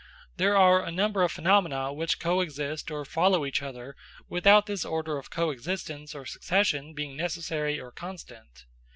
There are a number of phenomena which co exist or follow each other without this order of co existence or succession being necessary or constant.